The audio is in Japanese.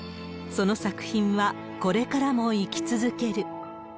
その作品はこれからも生き続ける。